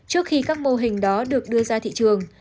trước khi các mô hình đó được đưa ra thị trường